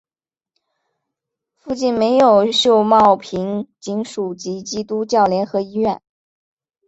附近设有秀茂坪警署及基督教联合医院。